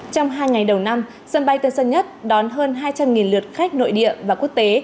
trong hai ngày đầu năm sân bay tân sơn nhất đón hơn hai trăm linh lượt khách nội địa và quốc tế